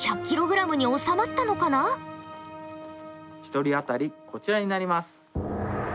１人あたりこちらになります。